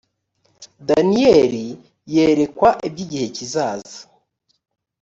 daniyeli yerekwa iby igihe kizaza